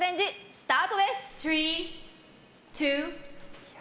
スタートです。